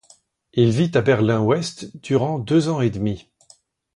Il vit à Berlin-Ouest durant deux ans et demi.